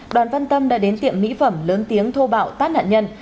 đoàn văn tâm đã đến tiệm mỹ phẩm lớn tiếng thô bạo tát nạn nhân